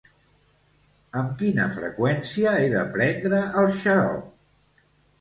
Amb quina freqüència he de prendre el xarop?